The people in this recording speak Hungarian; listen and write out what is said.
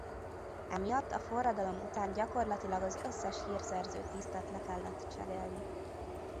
Emiatt a forradalom után gyakorlatilag az összes hírszerző tisztet le kellett cserélni.